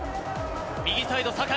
右サイド、酒井。